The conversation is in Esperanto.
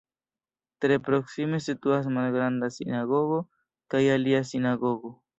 Tre proksime situas Malgranda Sinagogo kaj alia sinagogo.